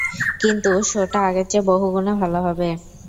কিন্তু শো টা আগের চেয়ে বহুগুণে ভালো হবে।